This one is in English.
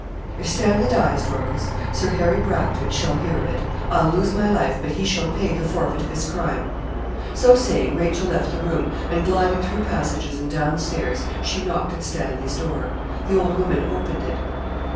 'If Stanley dies, Dorcas, Sir Harry Bracton shall hear of it. I'll lose my life, but he shall pay the forfeit of his crime.' So saying, Rachel left the room, and gliding through passages, and down stairs, she knocked at Stanley's door. The old woman opened it.